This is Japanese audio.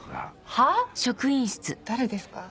はぁ⁉誰ですか？